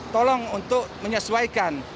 tolong untuk menyesuaikan